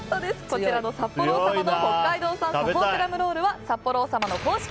こちらの札幌王様の北海道産サフォークラムロールは札幌王様の公式